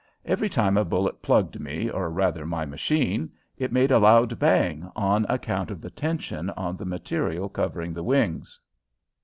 Every time a bullet plugged me, or rather my machine, it made a loud bang, on account of the tension on the material covering the wings.